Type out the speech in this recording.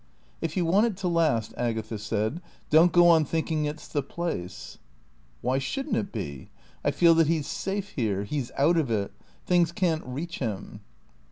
"If you want it to last," Agatha said, "don't go on thinking it's the place." "Why shouldn't it be? I feel that he's safe here. He's out of it. Things can't reach him."